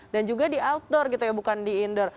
dan juga di outdoor gitu ya bukan di indoor